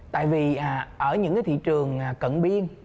tại vì ở những cái thị trường cận biên